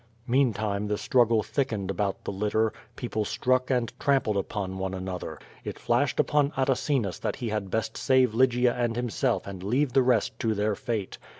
Meantime, the struggle thickened about the litter; people struck and trampled upon one another. It flashed upon Atacinus that he had best save Lygia and himself and leave the rest to their fate.